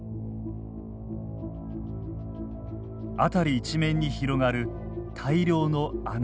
辺り一面に広がる大量の穴。